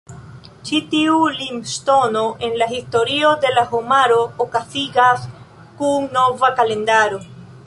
Ĉi tiu limŝtono en la historio de la homaro okazigas kun nova kalendaro.